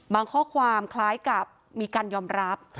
ข้อความคล้ายกับมีการยอมรับ